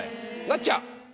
なっちゃん！